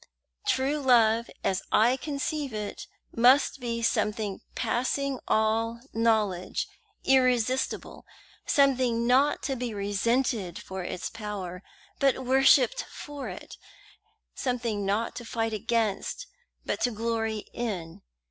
True love, as I conceive it, must be something passing all knowledge, irresistible; something not to be resented for its power, but worshipped for it; something not to fight against, but to glory in.